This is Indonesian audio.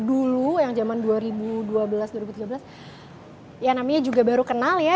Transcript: dulu yang zaman dua ribu dua belas dua ribu tiga belas ya namanya juga baru kenal ya